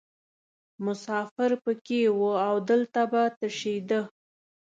مسافر پکې وو او دلته به تشیده.